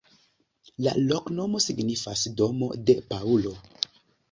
La loknomo signifas: domo de Paŭlo.